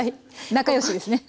仲良しですね器と。